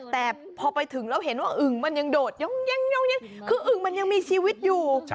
แต่พอไปถึงแล้วเห็นว่าอึ่งมันยังโดดยังคืออึ่งมันยังมีชีวิตอยู่